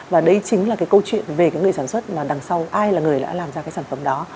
và đấy chính là câu chuyện về người sản xuất đằng sau ai là người đã làm ra sản phẩm đó